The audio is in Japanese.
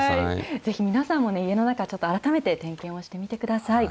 ぜひ皆さんも、家の中、ちょっと改めて点検をしてみてください。